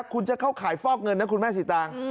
คุณจะเข้าขายฟอกเงินนะคุณแม่สีตาง